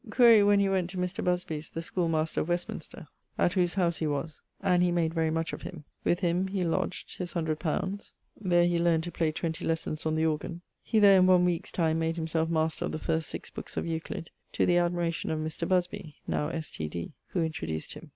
☞ Quaere when he went to Mr. Busby's, the schoolemaster of Westminster, at whose howse he was; and he made very much of him. With him he lodged his C li. There he learnd to play 20 lessons on the organ. He there in one weeke's time made himselfe master of the first VI bookes of Euclid, to the admiration of Mr. Busby (now S.T.D.), who introduced him.